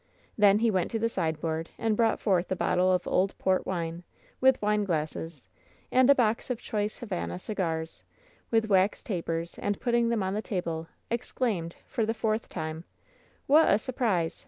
Then he went to the sideboard and brought forth a bottle of old port wine, with wineglasses, and a box of <*hoice Havana cigars, with wax tapers, and putting xhem on the table, exclaimed, for the fourth time: "What a surprise!